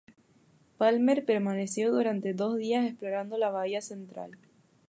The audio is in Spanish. Palmer permaneció durante dos días explorando la bahía central.